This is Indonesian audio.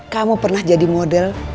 kamu pernah jadi model